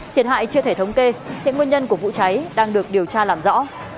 thiệt hại chưa thể thống kê hiện nguyên nhân của vụ cháy đang được điều tra làm rõ